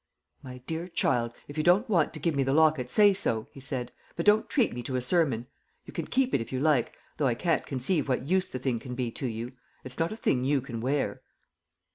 "My dear child, if you don't want to give me the locket, say so," he said, "but don't treat me to a sermon. You can keep it if you like, though I can't conceive what use the thing can be to you. It's not a thing you can wear."